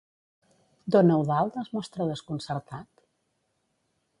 Don Eudald es mostra desconcertat?